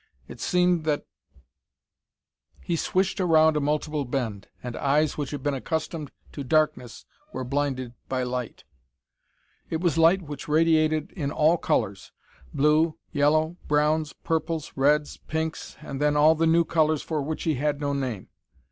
It seemed that He swished around a multiple bend, and eyes which had been accustomed to darkness were blinded by light. It was light which radiated in all colors blue, yellow, browns, purples, reds, pinks, and then all the new colors for which he had no name.